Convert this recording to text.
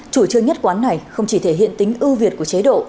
chủ trương nhất quán này không chỉ thể hiện tính ưu việt của chế độ